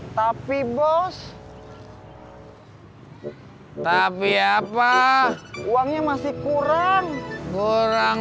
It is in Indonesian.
tapi bos tapi apa uangnya masih kurang kurang